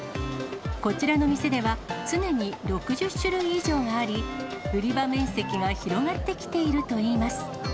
こちらの店では、常に６０種類以上があり、売り場面積が広がってきているといいます。